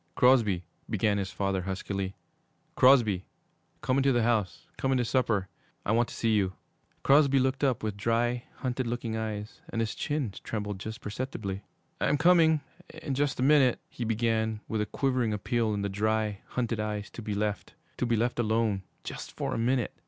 'Crosby,' began his father huskily, 'Crosby, come into the house, come in to supper, I want to see you.' Crosby looked up with dry, hunted looking eyes, and his chin trembled just perceptibly. 'I'm coming in just a minute,' he began, with a quivering appeal in the dry, hunted eyes to be left to be left alone just for a minute!